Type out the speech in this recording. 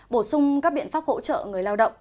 bổ sung các biện pháp hỗ trợ người lao động